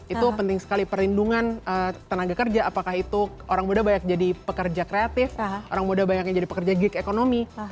itu penting sekali perlindungan tenaga kerja apakah itu orang muda banyak jadi pekerja kreatif orang muda banyak yang jadi pekerja gig economy